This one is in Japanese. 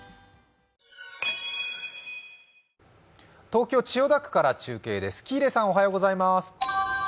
東京・千代田区から中継です